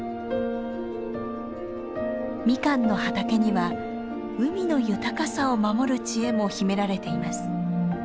ミカンの畑には海の豊かさを守る知恵も秘められています。